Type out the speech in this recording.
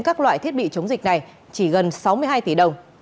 các loại thiết bị chống dịch này chỉ gần sáu mươi hai tỷ đồng